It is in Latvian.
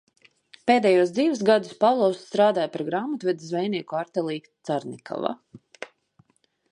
"Pēdējos dzīves gadus Pavlovs strādāja par grāmatvedi zvejnieku artelī "Carnikava"."